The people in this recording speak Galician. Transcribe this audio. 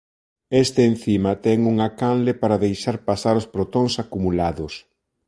Este encima ten unha canle para deixar pasar os protóns acumulados.